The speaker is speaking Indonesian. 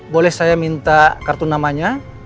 boleh saya minta kartu namanya